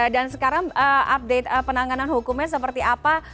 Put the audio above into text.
sekarang update penanganan hukumnya seperti apa